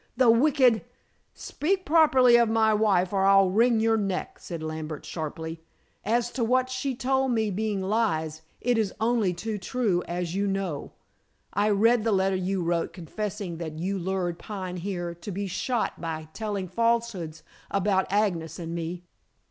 "The wicked " "Speak properly of my wife, or I'll wring your neck," said Lambert sharply. "As to what she told me being lies, it is only too true, as you know. I read the letter you wrote confessing that you had lured Pine here to be shot by telling falsehoods about Agnes and me."